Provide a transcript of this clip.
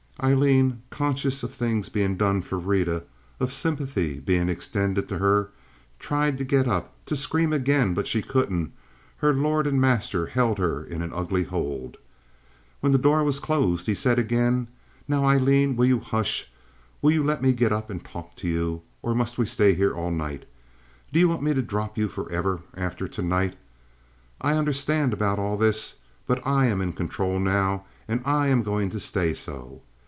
Aileen, conscious of things being done for Rita, of sympathy being extended to her, tried to get up, to scream again; but she couldn't; her lord and master held her in an ugly hold. When the door was closed he said again: "Now, Aileen, will you hush? Will you let me get up and talk to you, or must we stay here all night? Do you want me to drop you forever after to night? I understand all about this, but I am in control now, and I am going to stay so.